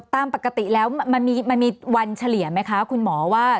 ตามปกติแล้วมันมีวันเฉลี่ยไหมคะคุณหมอว่า